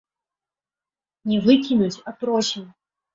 Не выкінуць, а просім.